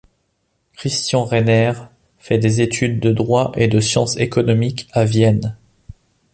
Christian Rainer fait des études de droit et de sciences économiques à Vienne.